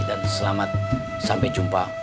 dan selamat sampai jumpa